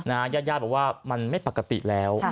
ญาติญาติบอกว่ามันไม่ปกติแล้ว